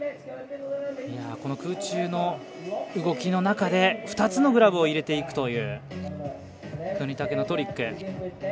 空中の動きの中で２つのグラブを入れていくという國武のトリック。